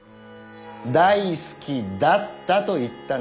「大好きだった」と言ったな？